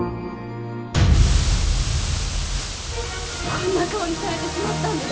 こんな顔にされてしまったんです。